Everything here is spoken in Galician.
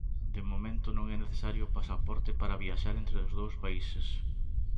De momento, non é necesario o pasaporte para viaxar entre os dous países.